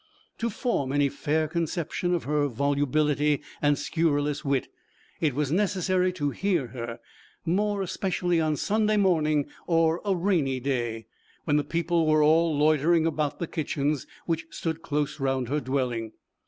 To form any fair conception of her volubility and scurrilous wit, it was necessary to hear her, more especially on Sunday morning or a rainy day, when the people were all loitering about the kitchens, which stood close round her dwelling.